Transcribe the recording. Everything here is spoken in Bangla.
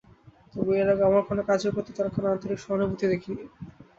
তবু, এর আগে আমার কোনো কাজের প্রতি তাঁর কোনো আন্তরিক সহানুভূতি দেখিনি।